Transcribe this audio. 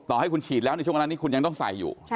ให้คุณฉีดแล้วในช่วงเวลานี้คุณยังต้องใส่อยู่